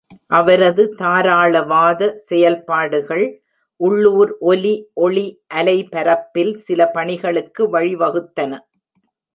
அவரது தாராளவாத செயல்பாடுகள் உள்ளூர் ஒலி ஒளி அலைபரப்பில் சில பணிகளுக்கு வழிவகுத்தன.